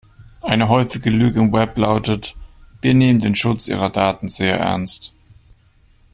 Eine häufige Lüge im Web lautet: Wir nehmen den Schutz Ihrer Daten sehr ernst.